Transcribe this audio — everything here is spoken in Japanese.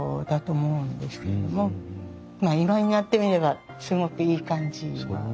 まあ今になってみればすごくいい感じ。